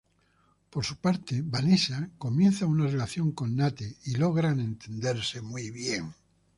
Por su parte, Vanessa comienza una relación con Nate y logran entenderse muy bien.